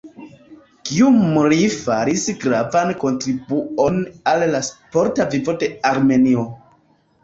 Gjumri faris gravan kontribuon al la sporta vivo de Armenio.